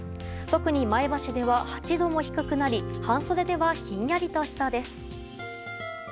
特に前橋では８度も低くなり半袖ではひんやりとしそうです。